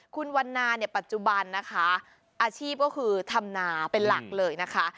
คุณวันนาเนี่ยปัจจุบันนะคะอาชีพก็คือทำนาเป็นหลักเลยนะคะ